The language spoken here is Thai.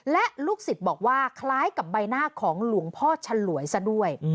และลูกศิษย์บอกว่าคล้ายกับใบหน้าของหลวงพ่อฉลวยซะด้วย